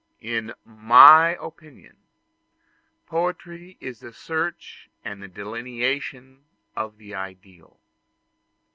In my opinion, poetry is the search and the delineation of the ideal.